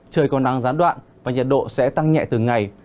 trời còn nắng gián đoạn và nhiệt độ sẽ tăng nhẹ từng ngày